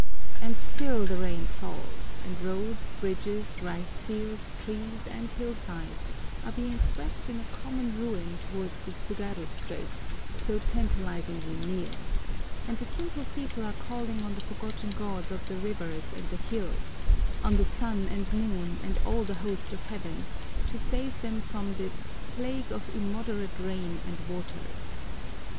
And still the rain falls, and roads, bridges, rice fields, trees, and hillsides are being swept in a common ruin towards the Tsugaru Strait, so tantalisingly near; and the simple people are calling on the forgotten gods of the rivers and the hills, on the sun and moon, and all the host of heaven, to save them from this "plague of immoderate rain and waters."